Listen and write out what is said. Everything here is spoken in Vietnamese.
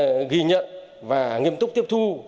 chúng tôi cũng rất ghi nhận và nghiêm túc tiếp thu